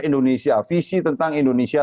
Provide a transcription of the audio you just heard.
indonesia visi tentang indonesia